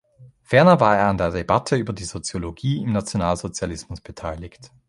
Ferner war er an der Debatte über die Soziologie im Nationalsozialismus beteiligt.